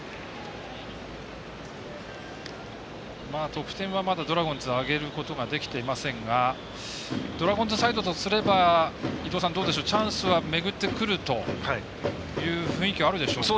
得点は、まだドラゴンズ挙げることできてませんがドラゴンズサイドとすればチャンスはめぐってくるという雰囲気はあるでしょうか？